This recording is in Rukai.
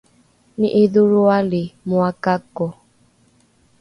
ni’idholroali moa gako